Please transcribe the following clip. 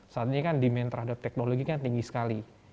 saat ini kan demand terhadap teknologi kan tinggi sekali